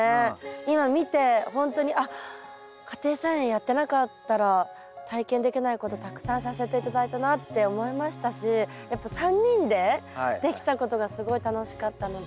今見てほんとにあっ家庭菜園やってなかったら体験できないことたくさんさせて頂いたなって思いましたしやっぱ３人でできたことがすごい楽しかったので。